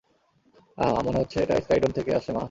আহ, মনে হচ্ছে এটা স্কাইডোম থেকে আসছে, মা।